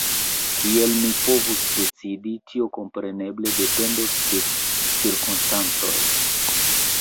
Kiel mi povus decidi, tio kompreneble dependos de cirkonstancoj.